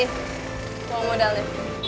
ini uang modalnya